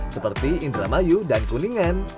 seperti indramayu dan kuningan